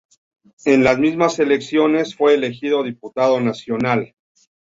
En las mismas elecciones fue elegido diputado nacional.